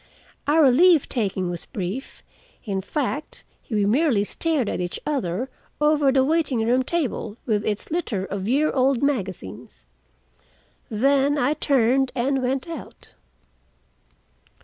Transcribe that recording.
Our leave taking was brief; in fact, we merely stared at each other over the waiting room table, with its litter of year old magazines. Then I turned and went out.